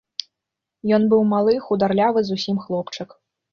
Ён быў малы, хударлявы зусім хлопчык.